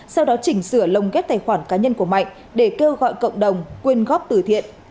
sau đó chỉnh sửa lồng ghép tài khoản cá nhân của mạnh để kêu gọi cộng đồng quyên góp tử thiện